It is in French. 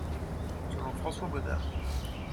Selon François Boddaert,